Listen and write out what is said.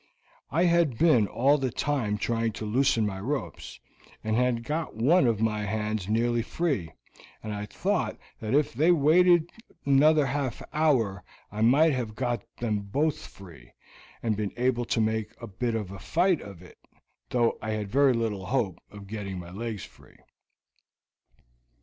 "I had been all the time trying to loosen my ropes, and had got one of my hands nearly free, and I thought that if they waited another half hour I might have got them both free, and been able to make a bit of a fight of it, though I had very little hope of getting my legs free.